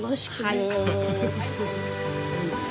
はい。